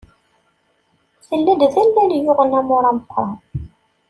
Tella-d d allal yuɣen amur meqqer.